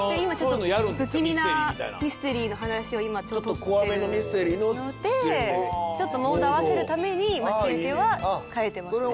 不気味なミステリーの話を今撮ってるのでちょっとモード合わせるために待ち受けは変えてますね。